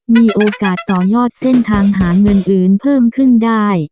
มีโอกาสต่อยอดเส้นทางหาเงินอื่นเพิ่มขึ้นได้